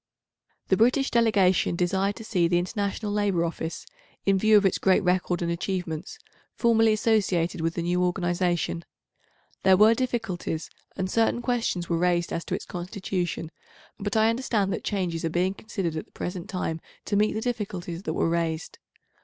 The British delegation desired to see the International Labour Office, in view of its great record and achievements, formally associated with the new organisation. There were difficulties, and certain questions were raised as to its constitution, but I understand that changes are being considered at the present time to meet the difficulties that were raised.